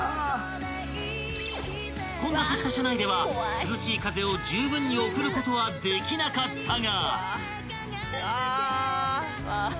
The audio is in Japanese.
［混雑した車内では涼しい風をじゅうぶんに送ることはできなかったが］